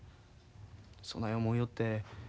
そない思うよって